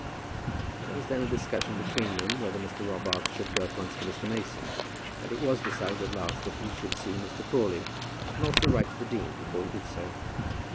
There was then a discussion between them whether Mr. Robarts should go at once to Mr. Mason; but it was decided at last that he should see Mr. Crawley and also write to the dean before he did so.